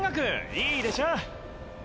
いいでしょ？